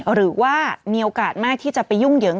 หรือว่ามีโอกาสมากที่จะไปยุ่งเหยิง